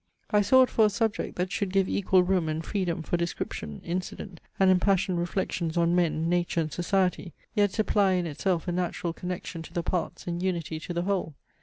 I sought for a subject, that should give equal room and freedom for description, incident, and impassioned reflections on men, nature, and society, yet supply in itself a natural connection to the parts, and unity to the whole.